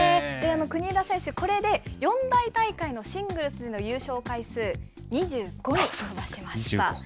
国枝選手、これで四大大会のシングルスでの優勝回数、２５に伸ばしました。